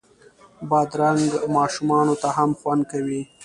بادرنګ ماشومانو ته هم خوند کوي.